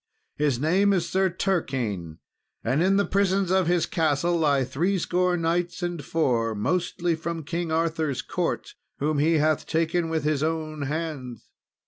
His name is Sir Turquine, and in the prisons of his castle lie three score knights and four, mostly from King Arthur's court, whom he hath taken with his own hands.